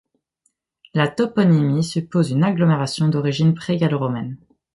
La toponymie suppose une agglomération d'origine pré-gallo-romaine.